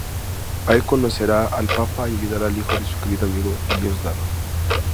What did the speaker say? Ahí conocerá al Papa y ayudará al hijo de su querido amigo Diosdado.